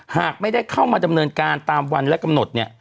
หากไม่ได้เข้ามาดำเนินการตามวันและกำหนดเนี่ย